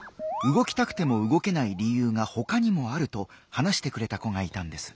動きたくても動けない理由がほかにもあると話してくれた子がいたんです。